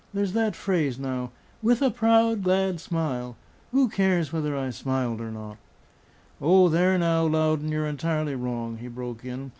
There's that phrase, now: 'With a proud, glad smile.' Who cares whether I smiled or not?" "Oh, there now, Loudon, you're entirely wrong," he broke in.